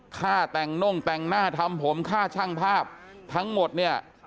ค่าแต่งน่งแต่งหน้าทำผมค่าช่างภาพทั้งหมดเนี่ย